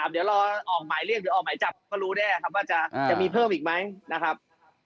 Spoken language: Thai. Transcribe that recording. เดี๋ยวรอออกหมายเรียกหรือออกหมายจับก็รู้แน่ครับว่าจะมีเพิ่มอีกไหมนะครับ